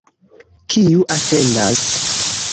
Kiu atendas?